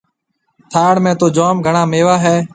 ٿاݪ ۾ تو جوم گھڻا ميوا هيَ۔